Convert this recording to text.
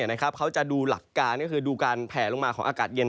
เขาจะดูหลักการก็คือดูการแผลลงมาของอากาศเย็น